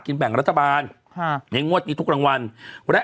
นี้แปลงระจการในงวดนี้ทุกรางวัล